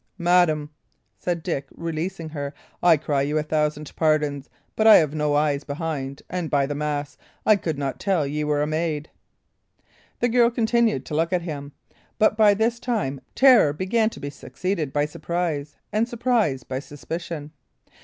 "Madam," said Dick, releasing her, "I cry you a thousand pardons; but I have no eyes behind, and, by the mass, I could not tell ye were a maid." The girl continued to look at him, but, by this time, terror began to be succeeded by surprise, and surprise by suspicion.